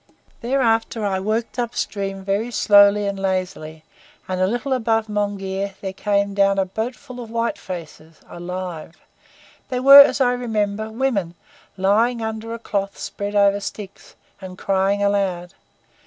"Thereafter I worked up stream very slowly and lazily, and a little above Monghyr there came down a boatful of white faces alive! They were, as I remember, women, lying under a cloth spread over sticks, and crying aloud.